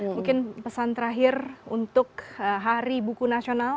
mungkin pesan terakhir untuk hari buku nasional